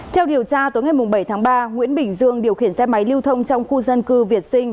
theo điều tra tối ngày bảy tháng ba nguyễn bình dương điều khiển xe máy lưu thông trong khu dân cư việt sinh